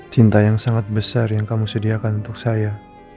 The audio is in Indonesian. cinta yang sangat besar yang kamu sediakan untuk saya